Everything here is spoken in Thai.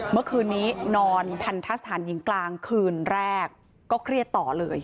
เมื่อคืนนี้นอนทันทะสถานหญิงกลางคืนแรกก็เครียดต่อเลย